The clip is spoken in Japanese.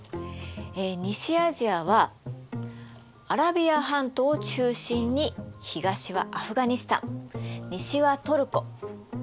西アジアはアラビア半島を中心に東はアフガニスタン西はトルコ。